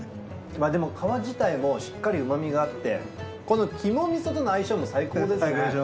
でも皮自体もしっかり旨みがあってこの肝味噌との相性も最高ですね。